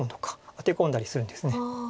アテ込んだりするんです。